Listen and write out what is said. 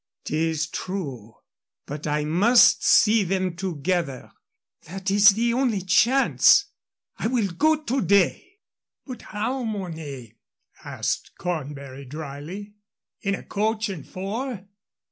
"'Tis true. But I must see them together. That is the only chance. I will go to day." "But how, Mornay?" asked Cornbury, dryly. "In a coach and four?"